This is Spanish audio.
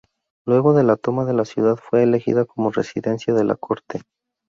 Luego de la toma de la ciudad, fue elegida como residencia de la corte.